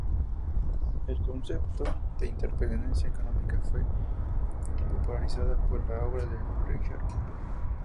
El concepto de interdependencia económica fue popularizada por la obra de Richard Cooper.